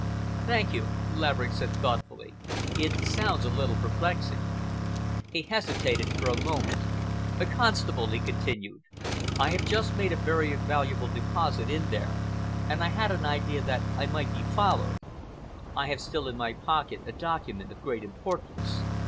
"Thank you," Laverick said thoughtfully. "It sounds a little perplexing." He hesitated for a moment. "Constable," he continued, "I have just made a very valuable deposit in there, and I had an idea that I might be followed. I have still in my pocket a document of great importance.